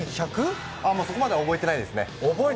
もうそこまでは覚えてないですね。